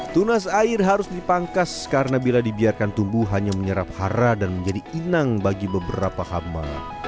tunas air harus dipangkas karena bila dibiarkan tumbuh hanya menyerap hara dan menjadi inang bagi beberapa hama